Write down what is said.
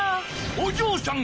おじょうさん！